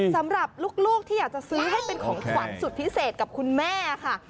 สำหรับลูกที่อยากจะซื้อให้เป็นของขวัญสุดพิเศษกับคุณแม่ค่ะ